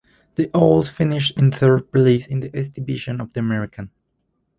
The Owls finished in third place in the East Division of The American.